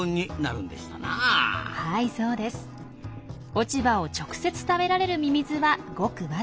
落ち葉を直接食べられるミミズはごく僅か。